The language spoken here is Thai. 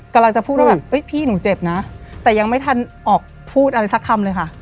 กำลังจะพูดว่าแบบพี่หนูเจ็บนะแต่ยังไม่ทันออกพูดอะไรสักคำเลยค่ะ